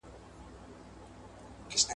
که وسایل وکارول سي هیواد به پرمختګ وکړي.